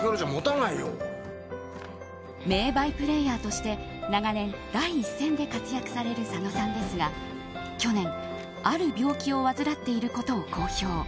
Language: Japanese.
名バイプレーヤーとして長年、第一線で活躍される佐野さんですが去年、ある病気を患っていることを公表。